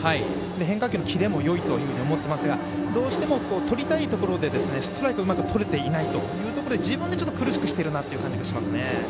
変化球のキレもいいと思っていますがどうしても、とりたいところでストライクをうまくとれていないというところで自分でちょっと苦しくしている気がしますね。